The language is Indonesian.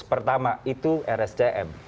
pertama itu rstm